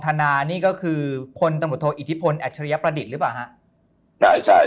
ธนานี่ก็คือพลตำรวจโทอิทธิพลอัจฉริยประดิษฐ์หรือเปล่าฮะใช่ใช่